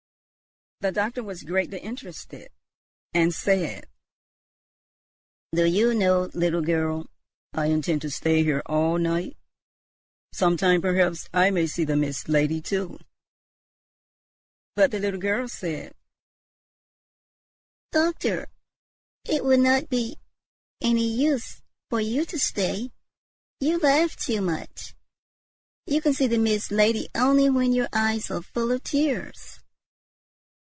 The doctor was greatly interested, and said, "Do you know, little girl, I intend to stay here all night, sometime; perhaps I may see the Mist Lady too." But the little girl said, "Doctor, it will not be any use for you to stay, you laugh too much; you can see the Mist Lady only when your eyes are full of tears."